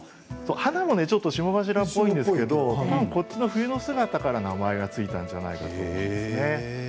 花も霜柱っぽいんですがこっちの冬の姿から名前が付いたんじゃないかなと思います。